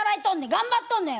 頑張っとんねん。